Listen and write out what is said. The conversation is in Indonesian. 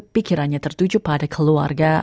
pikirannya tertuju pada keluarga